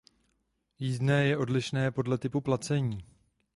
Jízdné je odlišné podle typu placení.